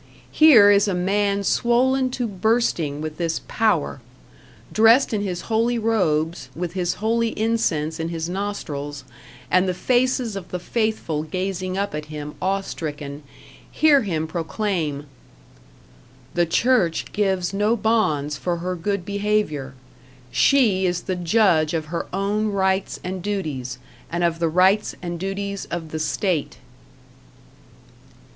Here is a man swollen to bursting with this Power. Dressed in his holy robes, with his holy incense in his nostrils, and the faces of the faithful gazing up at him awe stricken, hear him proclaim: The Church gives no bonds for her good behavior. She is the judge of her own rights and duties, and of the rights and duties of the state.